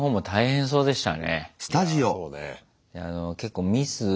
そうね。